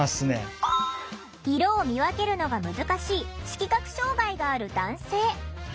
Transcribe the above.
色を見分けるのが難しい色覚障害がある男性。